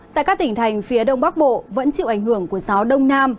tại các tỉnh thành phía đông bắc bộ vẫn chịu ảnh hưởng của gió đông nam